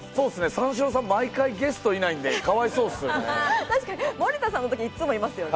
三四郎さん、毎回ゲストいないんで、かわいそうですよね。